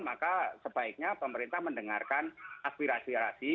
maka sebaiknya pemerintah mendengarkan aspirasi aspirasi